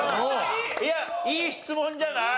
いやいい質問じゃない？